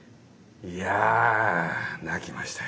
いやあ泣きましたよ。